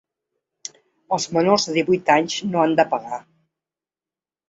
Els menors de divuit anys no han de pagar.